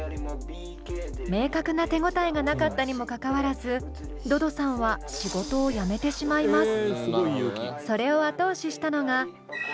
明確な手応えがなかったにもかかわらずｄｏｄｏさんは仕事を辞めてしまいます。